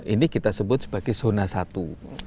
ini kita sebut sebagai zona satu